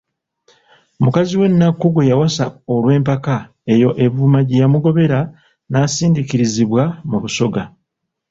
Mukazi we Nnakku gwe yawasa olw'empaka, eyo e Buvuma gye yamugobera n'asindiikirizibwa mu Busoga.